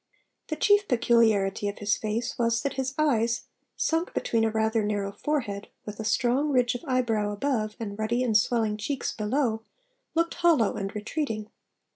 The chief peculiarity of his face was that his eyes sunk between a rather narrow forehead, with a strong ridge of eyebrow, above, and ruddy and swelling cheeks, below looked hollow and retreating.